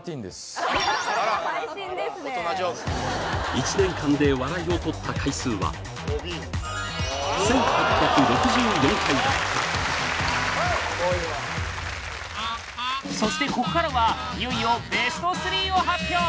・最新ですね１年間で笑いを取った回数はそしてここからはいよいよベスト３を発表